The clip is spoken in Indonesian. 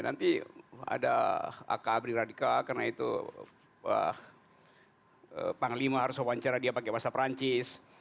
nanti ada akabri radikal karena itu panglima harus wawancara dia pakai bahasa perancis